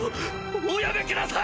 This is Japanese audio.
おやめください！